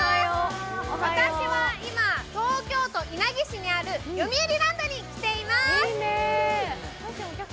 私は今、東京都稲城市にあるよみうりランドに来ています。